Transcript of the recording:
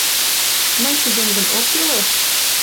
Мый шӱдем гынат, от тӱлӧ?